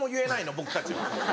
僕たちは。